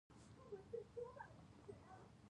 لمر ځلېږي.